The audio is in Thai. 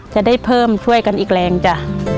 จะได้เพิ่มช่วยกันอีกแรงจ้ะ